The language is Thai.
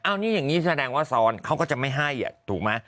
อ้าวนี่อย่างนี้แสดงว่าซ้อนเขาก็จะไม่ให้อ่ะถูกมั้ย